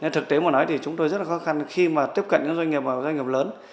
thực tế mà nói thì chúng tôi rất là khó khăn khi mà tiếp cận những doanh nghiệp lớn